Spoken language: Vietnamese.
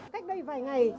cách đây vài ngày